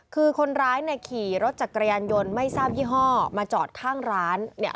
คือคนร้ายเนี่ยขี่รถจักรยานยนต์ไม่ทราบยี่ห้อมาจอดข้างร้านเนี่ย